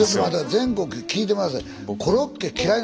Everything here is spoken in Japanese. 全国聞いてみなさい。